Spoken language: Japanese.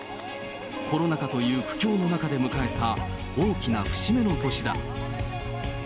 コロナ禍という苦境の中で迎えた大きな節目の年だ。